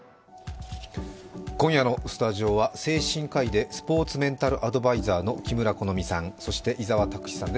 今夜のスタジオは、精神科医でスポーツメンタルアドバイザーの木村好珠さん、そして伊沢拓司さんです。